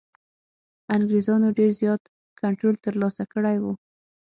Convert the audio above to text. انګرېزانو ډېر زیات کنټرول ترلاسه کړی وو.